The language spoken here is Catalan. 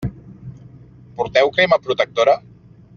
Porteu crema protectora?